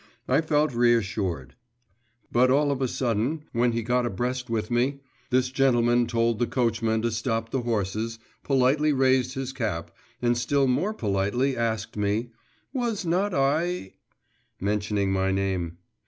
I felt reassured. But all of a sudden, when he got abreast with me, this gentleman told the coachman to stop the horses, politely raised his cap, and still more politely asked me, 'was not I …' mentioning my name.